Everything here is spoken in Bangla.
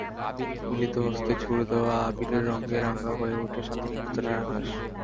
মিলিত হস্তে ছুড়ে দেওয়া আবিরের রঙ্গে রাঙা হয়ে ওঠে শান্তিনিকেতনের আকাশ।